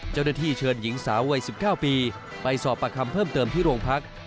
เจ้าหน้าที่เชิญหญิงสาววัย๑๙ปีไปสอบประคำเพิ่มเติมที่โรงพัก